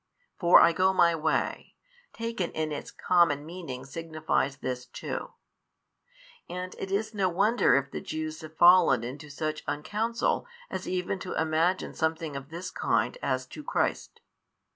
For, I go My way, taken in its common meaning signifies this too. And it is no wonder if the Jews have fallen into such uncounsel as even to imagine something |584 of this kind as to Christ.